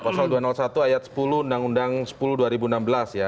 pasal dua ratus satu ayat sepuluh undang undang sepuluh dua ribu enam belas ya